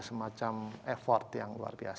semacam effort yang luar biasa